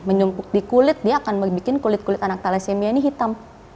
menumpuk di kulit dia akan membuat kulit kulit anak thalassemia ini hitam